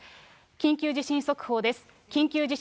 緊急地震速報です。